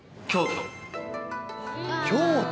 京都。